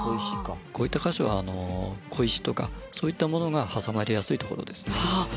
こういった箇所は小石とかそういったものが挟まりやすいところですね。